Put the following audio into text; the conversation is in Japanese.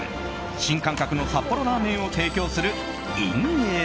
新感覚の札幌ラーメンを提供するｉｎＥＺＯ。